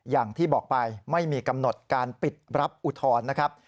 อย่างที่บอกไปไม่มีกำหนดการปิดรับอุทธรณ์นะครับ